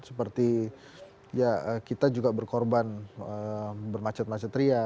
seperti ya kita juga berkorban bermacet macet ria